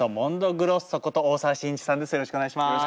よろしくお願いします。